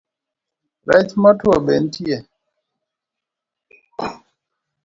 Rech motuo be nitie?